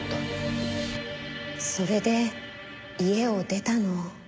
それで家を出たの。